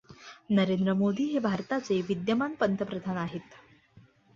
नरेंद्र मोदी हे भारताचे विद्यमान पंतप्रधान आहेत.